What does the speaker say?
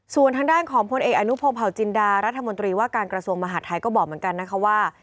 ส่วนทางด้านของพลเอกอนุพงศาวจินดารัฐมนตรีว่าการกระทรวงมหาดไทยก็บอกเหมือนกันนะคะว่า